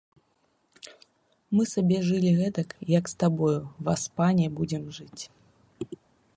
Мы сабе жылі гэтак, як з табою, васпане, будзем жыць.